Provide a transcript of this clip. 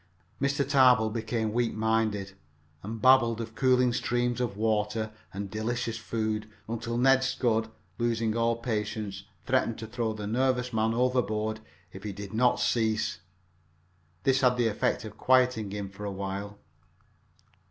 Mr. Tarbill became weak minded, and babbled of cooling streams of water and delicious food until Ned Scudd, losing all patience, threatened to throw the nervous man overboard if he did not cease. This had the effect of quieting him for a while.